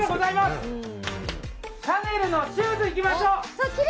シャネルのシューズいきましょう。